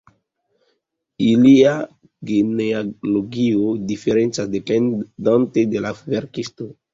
Ilia genealogio diferencas dependante de la verkisto.